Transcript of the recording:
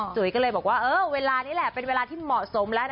จุ๋ยก็เลยบอกว่าเออเวลานี้แหละเป็นเวลาที่เหมาะสมแล้วนะ